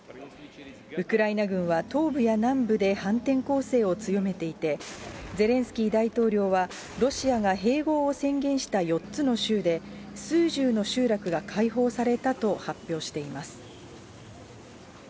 ウクライナ軍は、東部や南部で反転攻勢を強めていて、ゼレンスキー大統領は、ロシアが併合を宣言した４つの州で、数十の集落が解放されたと発表しています。